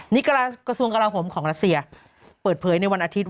นี่กระทรวงกลาโหมของรัสเซียเปิดเผยในวันอาทิตย์